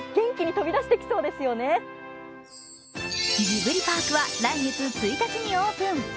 ジブリパークは来月１日にオープン。